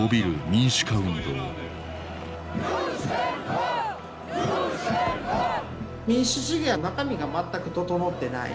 民主主義は中身が全く整ってない。